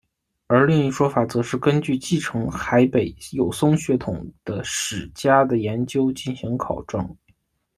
而另一说法则是根据继承海北友松血统的史家的研究进行考证。